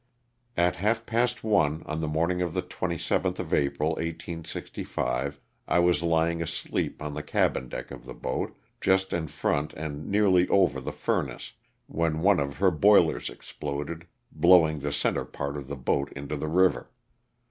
At half past one on the morning of the 27th of April, 1865, I was lying asleep on the cabin deck of the boat, just in front and nearly over the furnace, when one of her boilers exploded, blowing the center part of the boat into the river.